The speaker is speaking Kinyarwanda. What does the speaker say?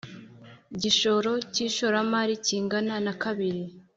igishoro cy ishoramari kingana na kabiri